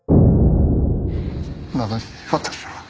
なのに私は。